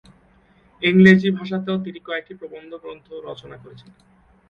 ইংরেজি ভাষাতেও তিনি কয়েকটি প্রবন্ধ গ্রন্থ রচনা করেছিলেন।